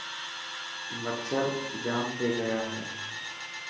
مڇر جام ٿي گيا هي.